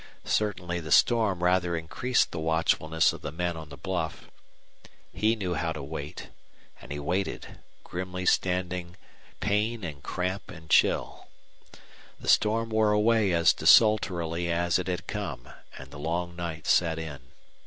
Certainly the storm rather increased the watchfulness of the men on the bluff. He knew how to wait, and he waited, grimly standing pain and cramp and chill. The storm wore away as desultorily as it had come, and the long night set in.